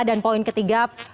dan poin ketiga